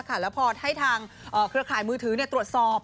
แล้วพอให้ทางเครือข่ายมือถือตรวจสอบ